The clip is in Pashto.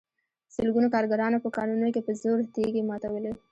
سلګونو کارګرانو په کانونو کې په زور تېږې ماتولې